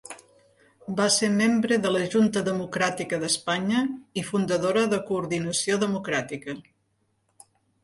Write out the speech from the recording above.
Va ser membre de la Junta Democràtica d'Espanya i fundadora de Coordinació Democràtica.